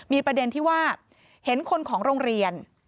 มีประเด็นที่ว่าเห็นคนของโรงเรียน